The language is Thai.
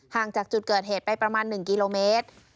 จากจุดเกิดเหตุไปประมาณ๑กิโลเมตร